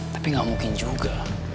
tapi nggak mungkin juga